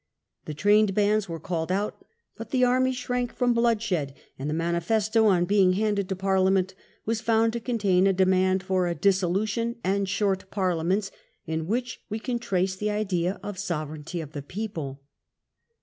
The trained bands were called out, but the army shrank from bloodshed, and the manifesto, on being handed to Parliament, was found to contain a demand for a dissolution, and short Parliaments, in which we can trace the idea of sovereignty of the people.